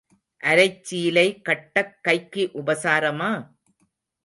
அரைச் சீலை கட்டக் கைக்கு உபசாரமா?